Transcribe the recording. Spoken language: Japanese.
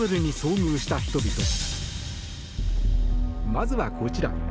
まずはこちら。